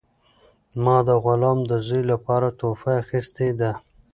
ما د غلام د زوی لپاره تحفه اخیستې ده.